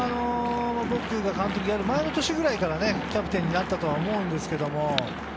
僕が監督をやる前の年くらいからキャプテンになったと思うんですけれど。